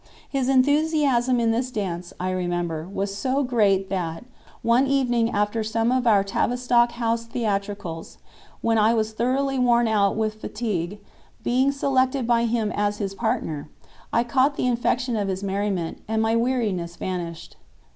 His enthusiasm in this dance, I remember, was so great that, one evening after some of our Tavistock House theatricals, when I was thoroughly worn out with fatigue, being selected by him as his partner, I caught the infection of his merriment, and my weariness vanished.